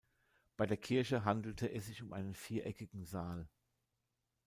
Bei der Kirche handelte sich um einen viereckigen Saal.